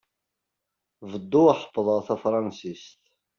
Bedduɣ ḥefḍeɣ tafṛansist.